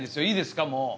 いいですか？